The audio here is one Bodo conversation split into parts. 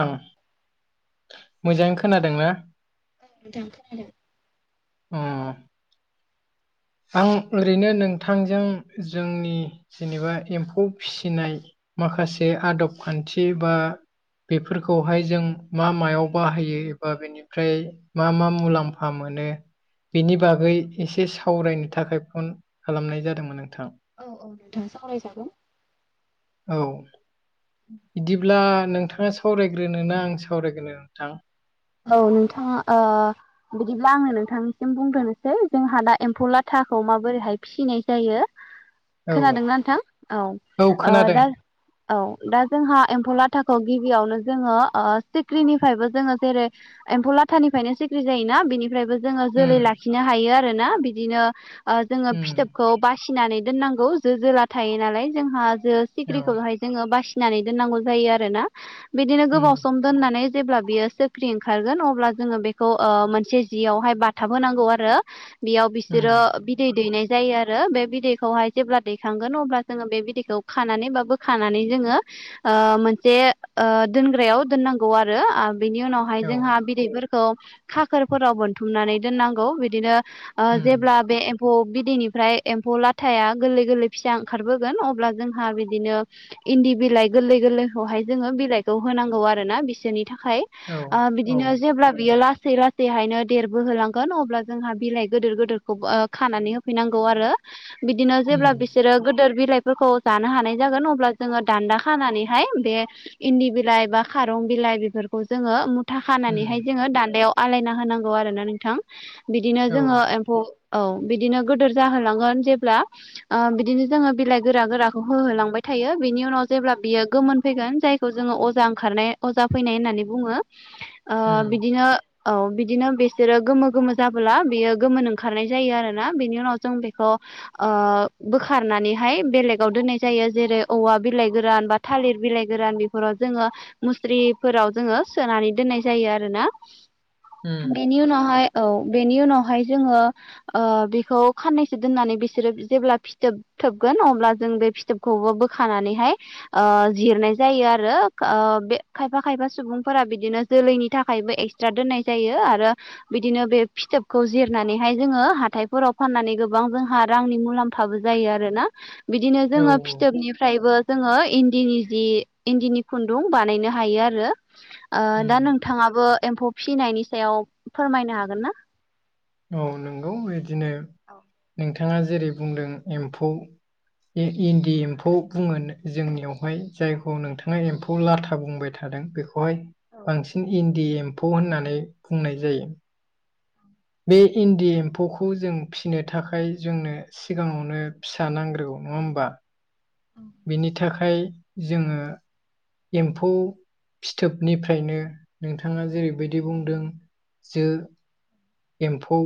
आं मोजाङै खोनादों ना? नोथां‌ खोनादों। उम। आं ओरैनो नोंथांजों जोंनि जेनेबा एम्फौ फिसिनाय माखासे आदब खान्थि बा बेफोरखौहाय जों मा मायाव बाहायो एबा बेनि फ्राय मा मा मुलाम्फा मोनो बेनि बागै एसे सावरायनो थाखाय फन खालामनाय जादोंमोन नोंथां औ औ नोंथां सावरायजागोन। औ। [inaudible] बिदिब्ला नोंथाङा सावरायग्रोनोना आं सावरायग्रोनो नोंथां? औ नोंथाङा ओ बिदिब्ला आङो नोंथांनिसिम बुंग्रोनोसै जोंहा दा एम्फौ लाथाखौ माबोरैहाय फिसिनाय जायो औ खोनादोंना नोंथां औ दा औ दा जोंहा एम्फौ लाथाखौ गिबियावनो जोङो ओ सिख्रिनिफ्रायबो जोङो जेरै एम्फौ लाथानिफ्रायनो सिख्रि जायोना बेनिफ्रायबो जोङो जोलै उम लाखि लाखिनो हायो आरोना बिदिनो ओ जोङो उम फिथोब खौ बासिनानै दोननांगौ जो जोला थायो नालाय जोंहा जो सिख्रिखौ औ जोङो बासिनानै दोननांगौ जायो आरोना बिदिनो उम गोबाव सम दोननानै जेब्ला बियो सिख्रि ओंखारगोन अब्ला जोङो बेखौ मोनसे जियावहाय बाथाब होनांगौ आरो बेयाव उम बिसोरो बिदै दैनाय जायो आरो बे बिदैखौहाय जेब्ला दैखांगोन अब्ला जोङो बे बिदैखौ खानानैबो खानानै जोङो ओ मोनसे ओ दोनग्रायाव दोननांगौ आरो बिनि उनाव बेहाय औ जोंहा बिदैफोरखौ खाखोरफोराव बोनथुमनानै दोननांगौ बिदिनो ओ उम जेब्ला बे एम्फौ बिदैनिफ्राय एम्फौ लाथाया गोरलै गोरलै फिसा ओंखारबोगोन अब्ला जोंहा बिदिनो इन्दि बिलाइ गोरलै गोरलैखौहाय जोङो बिलाइखौ होनांगौ आरो ना बिसोरनि थाखाय औ ओ औ बिदिनो जेब्ला बियो लासै लासै बेहायनो देरबोहोलांगोन अब्ला जोंहा बिलाइ गोदोर गोदोर खौ खानानै होफैनांगौ आरो। बिदिनो उम जेब्ला बिसोरो गोदोर बिलाइ फोरखौ जानो हानाय जागोन अब्ला जोङो दान्दा खानानैहाय बे इन्दि बिलाइ बा खारं बिलाइ बेफोरखौ जोङो मुथा उम खानानैहाय जोङो दान्दायाव आलायना होनांगौ आरोना नोंथां बिदिनो औ जोङो [unintelligible] औ बिदिनो गोदोर जाहोलांगोन जेब्ला ओ बिदिनो जोङो बिलाइ गोरा गोराखौ होहोलांबाय थायो बिनि उनाव जेब्ला बियो गोमोन फैगोन जाय खौ जोङो अजा ओंखारनाय अजा फैनाय होननानै बुङो ओ उम बिदिनो औ बिदिनो बिसोरो गोमो गोमो जाबोला बियो गोमोन ओंखारनाय जायो आरोना बेनि उनाव जों बेखौ ओ बोखारनानैहाय बेलेगाव दोननाय जायो जेरै औवा बिलाइ गोरान बा थालिर बिलाइ गोरान बेफोराव जोङो मुस्रिफोराव जोङो सोनानै दोननाय जायो आरोना उम बेनि उनावहाय औ बेनि उनावहाय जोङो बेखौ खाननैसो दोननानै बिसोरो जेब्ला फिथोब थोबगोन अब्ला जों बे फिथोबखौबो बोखानानैहाय ओ जिरनाय जायो आरो ओ बे खायफा खायफा सुबुं फोरा बिदिनो जोलैनि थाखायबो एक्सट्रा दोननाय जायो आरो बिदिनो बे फिथोबखौ जिरनानैहाय जोङो हाथायफोराव फाननानै गोबां जोंहा रांनि मुलाम फाबो जायो आरोना बिदिनो औ जोङो उम फिथोबनिफ्रायबो जोङो इन्दिनि जि इन्दिनि खुन्दुं बानायनो हायो आरो ओ दा नोंथाङाबो एम्फौ फिसिनायनि सायाव फोरमायनो हागोन ना? औ नंगौ बिदिनो नोंथाङा जेरै बुंदों एम्फौ इन्दि एम्फौ बुङो जोंनियावहाय जायखौ नोंथाङा एम्फौ लाथा बुंबाय बेखौहाय बांसिन इनडि एमफौ होननानै बुंनाय जायो। बे इन्दि एम्फौखौ जों फिसिनो थाखाय जोंनो सिगाङावनो फिसा नांग्रोगौ नङा होमबा? [inaudible] बिनि थाखाय जोङो एम्फौ फिथोबनिफ्रायनो नोंथाङा जेरैबायदि बुंदों जो एम्फौ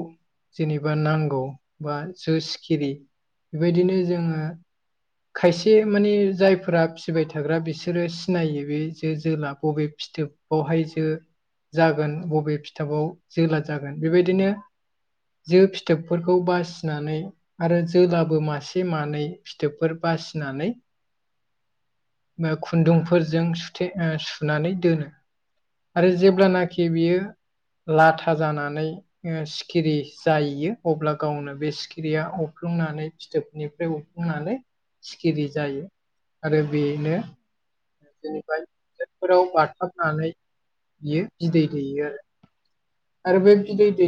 जेनेबा नांगौ बा जो सिखिरि बेबायदिनो जोङो खायसे माने जायफोरा फिबाय थाग्रा बिसोरो सिनायो बे जे जोला बबे फिथोब बावहाय जो जागोन बबे फिथाबाव जोला जागोन बेबायदिनो जे फिथोबफोरखौ बासिनानै आरो जोलाबो मासे मानै फिथोबफोर बासिनानै ओ खुन्दुंफोरजों सुनानै दोनो आरो जेब्लानाखि बियो लाथा जानानै ओ सिखिरि जाहैयो अब्ला गावनो बे सिखिरिया अफ्लुंनानै फिथोबनिफ्राय उफुंनानै सिखिरि जायो आरो बेनो [unintelligible] बेफोराव बाथाबनानै बियो बिदै दैयो आरो आरो बे बिदै दै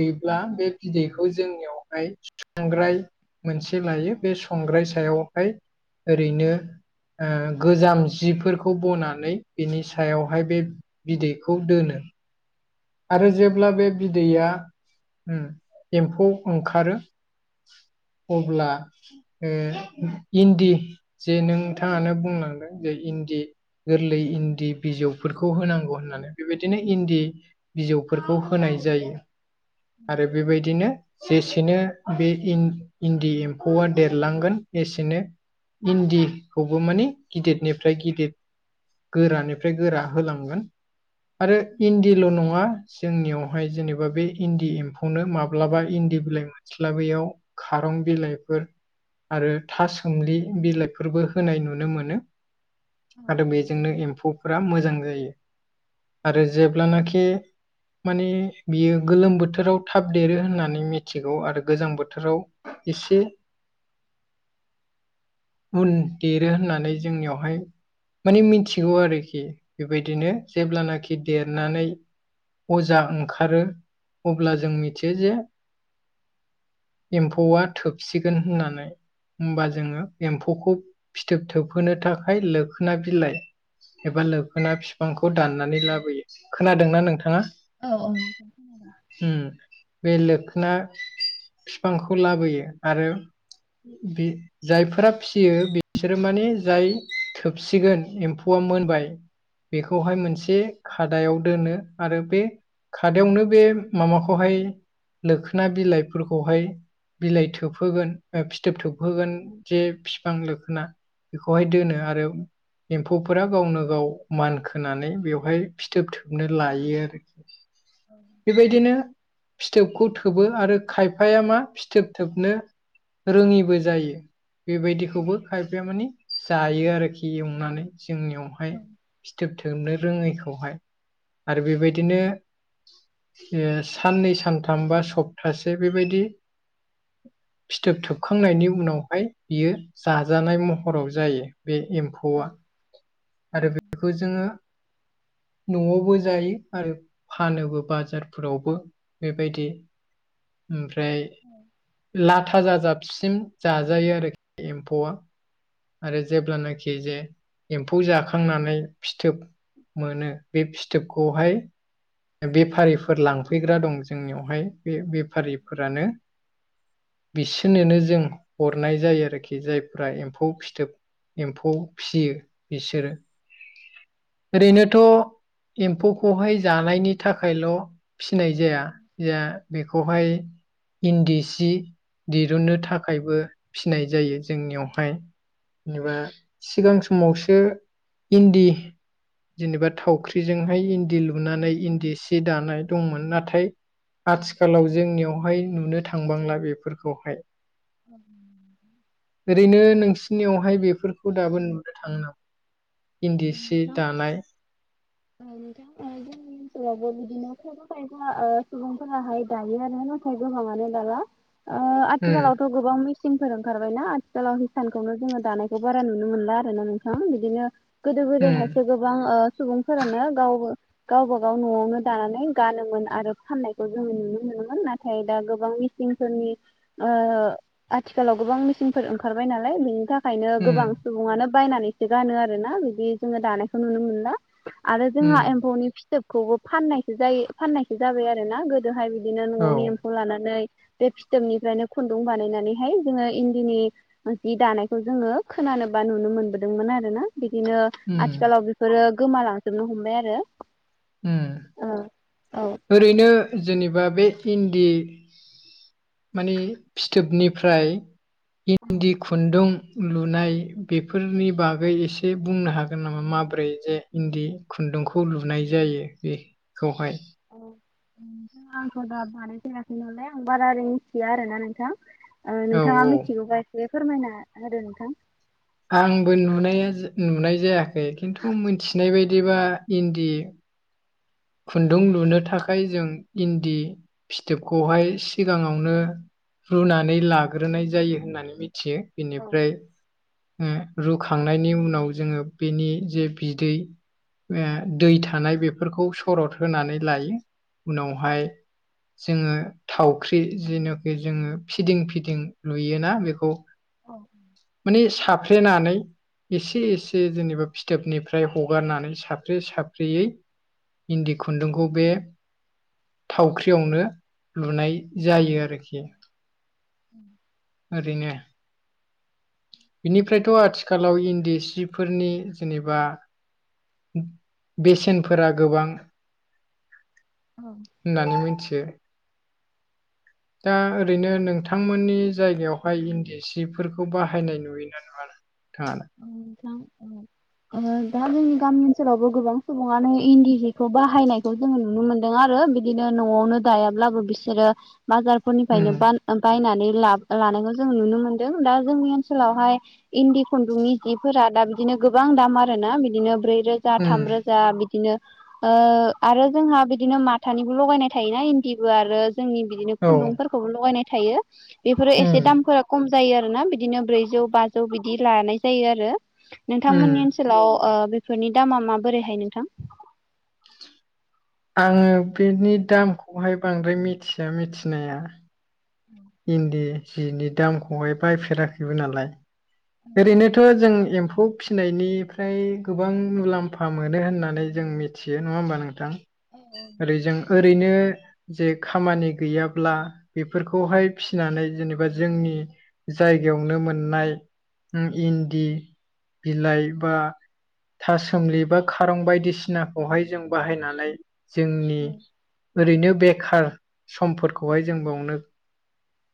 गैब्ला बे बिदैखौ जोंनियावहाय संग्राय मोनसे लायो बे संग्राय सायावहाय ओरैनो ओ गोजाम जिफोरखौ बनानै बिनि सायावहाय बे बिदैखौ दोनो आरो जेब्ला बे बिदैया एम्फौ ओंखारो अब्ला ओ इन्दि जे नोंथाङानो बुंलांदों जे इन्दि गोरलै इन्दि बिजौफोरखौ होनांगौ होननानै बेबायदिनो इन्दि बिजौफोरखौ होनाय जायो आरो बेबायदिनो जेसेनो बे इन्दि एम्फौआ देरलांगोन एसेनो इन्दिखौबो माने गिदिरनिफ्राय गिदिर गोरानिफ्राय गोरा होलांगोन आरो इन्दिल' नङा जोंनियावहाय जेनेबा बे इन्दि एम्फौनो माब्लाबा इन्दि बिलाइ मोन स्लाबैयाव खारं बिलाइफोर आरो था सोमलि बिलाइफोरबो होनाय नुनो मोनो। आरो बेजोंनो एम्फौफ मोजां जायो आरो जेब्लानाखि माने बियो गोलोम बोथोराव थाब देरो होननानै मिथिगौ आरो गोजां बोथोराव एसे [unintelligible] उन देरो होननानै जोंनियावहाय माने मिथिगौ आरोखि बेबायदिनो जेब्लानाखि देरनानै। अजा ओंखारो अब्ला जों मिथियो जे एम्फौआ थोबसिगोन होननानै होमबा जोङो एम्फौखौ फिथोब थोबहोनो थाखाय लोखोना बिलाइ एबा लोबखोना बिफांखौ दाननानै लाबोयो खोनादोंना नोंथाङा। औ औ ओम बे लोखोना बिफांखौ लाबोयो आरो बे जायफोरा फिसियो बिसोरो माने जाय थोबसिगोन एम्फौआ मोनबाय‌ बेखौहाय मोनसे खादायाव दोनो। आरो बे खादायावनो बे माबाखौहाय लोखोना बिलाइफोरखौहाय बिलाइ थोबहोगोन बा फिथोब थोबहोगोन जे बिफां लोखोना बेखौहाय दोनो आरो एम्फौफोरा गावनो गाव मान खोनानै बेवहाय फिथोब थोबनो ला थायो आरोखि औ बेबायदिनो फिथोबखौ थोबो आरो खायफाया मा फिथोब थोबनो रोङिबो जायो बेबायदिखौबो खायफा माने जायो आरोखि एवनानै जोंनियावहाय फिथोबथोबनो रोङैखौहाय आरो बेबायदिनो साननै सानथाम बा सप्तासे बेबायदि फिथोब थोबखांनायनि उनावहाय बियो जाजानाय महराव जायो बे एम्फौ खौवा आरो बेखौ जोङो न'आवबो जायो आरो फानोबो बाजारफोरावबो बेबायदि। ओमफ्राय उम लाथा जाजाबसिम जाजायो आरोखि एम्फौआ आरो जेब्लानाखि जे एम्फौ जाखांनानै फिथोब मोनो बे फिथोबखौहाय बेफारिफोर लांफैग्रा दं जोंनियावहाय बे बेफारिफोरानो बिसनोनो जों हरनाय जायो आरोखि जायफ्रा एम्फौ फिथोब एम्फौ फियो बिसोरो ओरैनोथ' एम्फौखौहाय जा जानायनि थाखायल' फिनाय जाया या‌ बेखो बेखौहाय इन्दि सि दिरुननो थाखायबो फिनाय जायो जोंनियावहाय जेनेबा सिगां समावसो इन्दि जेनेबा थावख्रिजोंहाय इन्दि लुनानै इन्दि सि दानाय दंमोन नाथाय आथिखालाव जोंनियावहाय नुनो थांबांला बेफोरखौहाय [inaudible] ओरैनो नोंसिनियावहाय बेफोरखौ दाबो नुनो थाङो नामा? [inaudible] औ इन्दि सि नोंथां दानाय औ नोंथां ओनसोलावबो बिदिनो खायगा खायगा सुबुंफोराहाय दायो आरो नाथाय गोबाङानो दला ओ उम आथिखालावथ' गोबां मेचनफोर ओंखारबायनाा आथिखालाव हिसानखौनो जोङो दानायखौ बारा नुनो मोनला आरो ना नोंथां बिदिनो। गोदो उम गोदायहायसो गोबां सुबुंफोरानो गाव गावबा गाव न'आवनो दानानै गानोमोन आरो फाननायखौ जोङो नुनो मोनोमोन नाथाय दा गोबां मि सिनफोरनि ओ आथिखालाव गोबां मेचनफोर ओंखारबाय नालाय बेनि थाख ओंखायनो उम गोबां सुबुङानो बायनानैसो गानो आरोना बिदि जोङो दानायखौ नुनो मोनला आरो जोंहा उम एम्फौनि फिथोबखौबो फाननायसो जायो फाननायसो जाबाय आरो ना गो जोहाय बिदिनो औ न'आवनि एम्फौ लानानै बे फिथोबनिफ्रायनो खुन्दुं बानायनानैहाय जोङो इन्दिनि जि दानायखौ जोङो खोनानोबा नुनो मोनबोदोंमोन आरोना बिदिनो उम आथिखालाव बेफोरो गोमालांजोबनो हमबाय आरो ओ ओ ओरैनो जेनेबा बे इन्दि माने फिथोबनिफ्राय इन्दि खुन्दुं लुनाय बेफोरनि बागै एसे बुंनो हागोन नामा माब्रै जे इन्दि खुन्दुंखौ लुनाय जायो बेखौहाय औ नोंथां आंथ' दा बानायफायाखै नालाय आं बारा रै मिथिया आरोना नोंथां ओ औ नोंथाङा औ मिथिगौबा एसे फोरमायना होदो नोंथां आंबो नुनाया नुनाय जायाखै खिन्थु मोनथिनाय बायदिबा इन्दि खुन्दुं लुनो थाखाय जों इन्दि फिथोबखौहाय सिगाङावनो रुनानै लाग्रोनाय जायो होननानै मिथियो औ बेनिफ्राय रुखांनायनि उनाव जोङो बेनि जे बिदै दै थानाय बेफोरखौ सरद होनानै लायो उनावहाय जोङो थावख्रि जेनोखि जोङो फिदिं फिदिं लुयोना बेखौ माने साफ्र्लेनानै एसे एसे जेनेबा फिथोबनिफ्राय हगारनानै साफ्रे साफ्रेयै इन्दि खुन्दुंखौ बे थावख्रियावनो लुनाय जायो आरो आरोखियो [inaudible] ओरैनो बिनिफ्रायथ' आथिखालाव इन्दि सिफोरनि जेनेबा बेसेनफोरा गोबां औ होननानै मिथियो दा ओरैनो नोंथांमोननि जायगायावहाय इन्दि सिफोरखौ बाहायनाय नुयोना नुआ थाङा फ्लां अ ओ दा जोंनि गामि ओनसोलावबो गोबां सुबुङानो इन्दि जिखौ बाहायनायखौ जोङो नुनो मोनदों आरो बिदिनो न'आवनो दायाब्लाबो बिसोरो उम बाजारफोरनिफ्रायनो ब बायनानै ला लानायखौ जों नुनो मोनदों दा जोंनि ओनसोलावहाय इन्दि खुन्दुंनि जिफोरा दा बिदिनो गोबां दाम आरोना बिदिनो ब्रैरोजा उम थामरोजा जा बिदिनो आरो ओ जोंहा बिदिनो माथानिबो लगायनाय थायोना इन्दिबो आरो जोंनि बिदिनो औ खुन्दुंफोरखौबो लगायनाय थायो बेफोरो एसे उम दामफोरा खम जायो आरोना बिदिनो ब्रैजौ बाजौ बिदि लानाय जायो आरो उम नोंथांमोननि हेलाव ओ बेफोरनि दामा माबोरैहाय नोंथां आङो बेनि दामखौहाय बांद्राय मिथिया मिथिनाया [inaudible] इन्दि सिनि दामखौहाय बायफेराखैबो नालाय ओरैनोथ' जों एम्फौ फिसिनायनिफ्राय गोबां मुलाम्फा मोनो होननानै जों मिथि थियो नङा होमबा नोंथां ओरै जों ओरैनो जे खामानि गैयाब्ला बेफोरखौहाय फिनानै जेनेबा जोंनि जायगायावनो मोननाय इन्दि बिलाइ बा थासोमलि बा खारं बायदिसिनाखौहाय जों बाहायनानै जोंनि ओरैनो बेखार समफोरखौहाय जों बावनो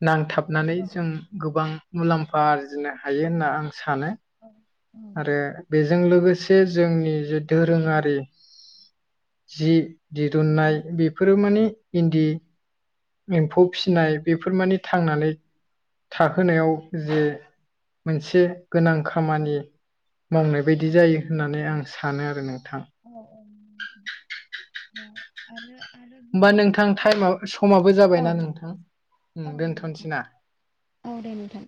नांथाबनानै जों गोबां मुलाम्फा आरजिनो हायो होनना आं सानो आरो बेजों लोगोसे जोंनि जे दोरोंङारि जि दिहुननाय बेफोरो माने इन्दि एम्फौ फिसिनाय बेफोर माने थांनानै थाहोनायाव जे मोनसे गोनां खामानि मावनाय बायदि जायो होननानै आं सानो आरो नोंथां। [unintelligible] [unintelligible] होमबा नोंथां टाइमा समाबो जाबायना नोंथां दोनथ'नोसैना? औ दे नोंथां।